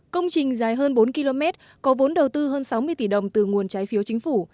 công trình dài hơn bốn km có vốn đầu tư hơn sáu mươi tỷ đồng từ nguồn trái phiếu chính phủ